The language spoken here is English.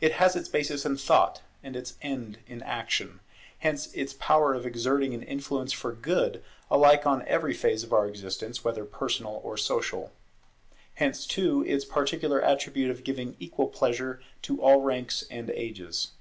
It has its basis in Thought, and its end is Action. Hence its power of exerting an influence for good alike on every phase of our existence, whether personal or social. Hence too its peculiar attribute of giving equal pleasure to all ranks and ages.